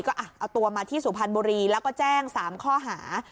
ก็เอาตัวมาที่สุพรรณบุรีแล้วก็แจ้ง๓ข้อหา